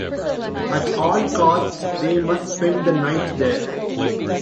At all costs they must spend the night there.